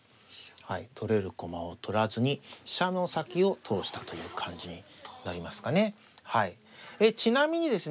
取れる駒を取らずに飛車の先を通したという感じになりますかね。